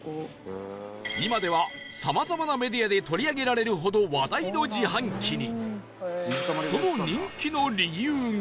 今ではさまざまなメディアで取り上げられるほど話題の自販機に